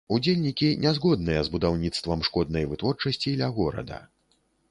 Удзельнікі нязгодныя з будаўніцтвам шкоднай вытворчасці ля горада.